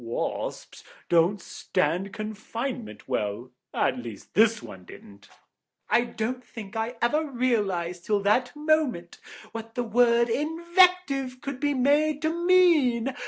Wasps don't stand confinement well, at least this one didn't. I don't think I ever realised till that moment what the word 'invective' could be made to mean.